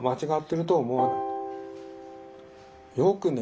よくね